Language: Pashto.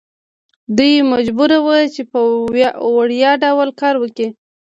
دوی مجبور وو چې په وړیا ډول کار وکړي.